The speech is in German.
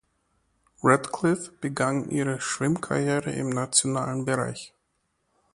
Ratcliffe begann ihre Schwimmkarriere im nationalen Bereich.